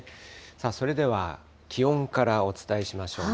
さあ、それでは気温からお伝えしましょう。